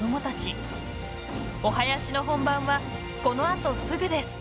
お囃子の本番はこのあとすぐです。